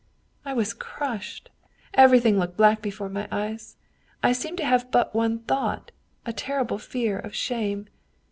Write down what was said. I was crushed, everything looked black before my eyes I seemed to have but one thought, a terrible fear of shame.